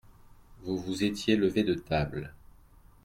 Vous vous étiez levé de table.